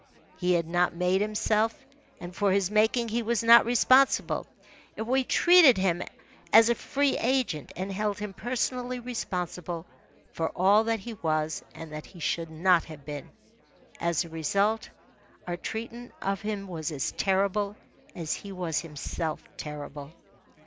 He had not made himself, and for his making he was not responsible. Yet we treated him as a free agent and held him personally responsible for all that he was and that he should not have been. As a result, our treatment of him was as terrible as he was himself terrible.